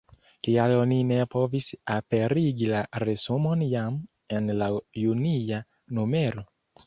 Kial oni ne povis aperigi la resumon jam en la junia numero?